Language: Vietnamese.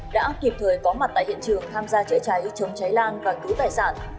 đã kịp thời có mặt tại hiện trường tham gia chữa cháy chống cháy lan và cứu tài sản